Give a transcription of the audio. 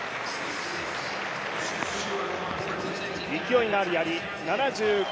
勢いのあるやり、７５。